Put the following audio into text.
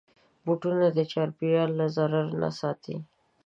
بوټونه د چاپېریال له ضرر نه ساتي.